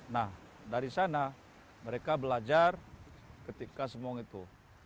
nah dari sana mereka belajar ketika semong itu